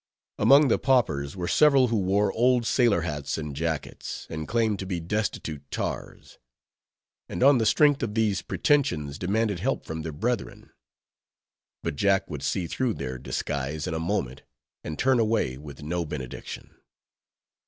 Among the paupers were several who wore old sailor hats and jackets, and claimed to be destitute tars; and on the strength of these pretensions demanded help from their brethren; but Jack would see through their disguise in a moment, and turn away, with no benediction.